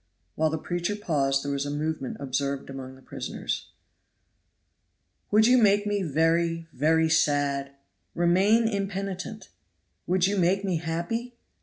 While the preacher paused there was a movement observed among the prisoners. "Would you make me very very sad? Remain impenitent! Would you make me happy?